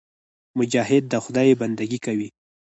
مجاهد د خدای بندګي کوي.